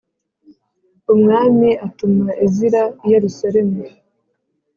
Umwami atuma Ezira i Yerusalemu